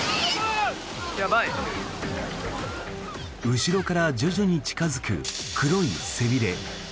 後ろから徐々に近付く黒い背びれ。